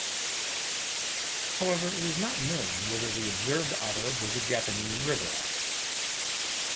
However, it is not known whether the observed otter was a Japanese river otter.